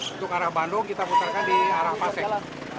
untuk arah bandung kita putarkan di arah pasek